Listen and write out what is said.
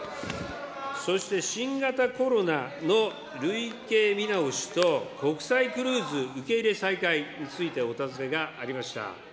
そして新型コロナの類型見直しと国際クルーズ受け入れ再開についてお尋ねがありました。